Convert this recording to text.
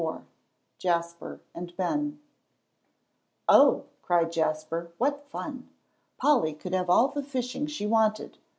XXIV JASPER AND BEN "Oh," cried Jasper, "what fun! Polly could have all the fishing she wanted.